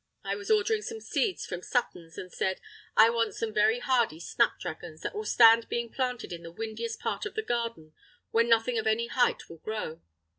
I was ordering some seeds from Sutton's, and said, "I want some very hardy snapdragons, that will stand being planted in the windiest part of the garden where nothing of any height will grow."